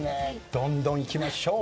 どんどんいきましょう。